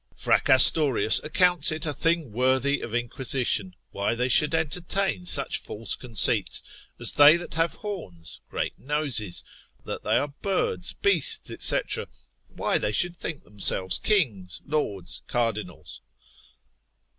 Fracastorius accounts it a thing worthy of inquisition, why they should entertain such false conceits, as that they have horns, great noses, that they are birds, beasts, &c., why they should think themselves kings, lords, cardinals.